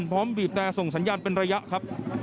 พร้อมบีบแทนส่งสัญญาณเป็นระยะ